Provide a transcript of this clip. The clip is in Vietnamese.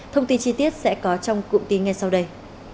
thông tin chi tiết sẽ có trong cụm tin ngay sau đây